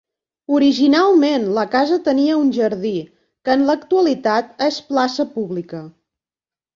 Originalment, la casa tenia un jardí, que en l'actualitat és plaça pública.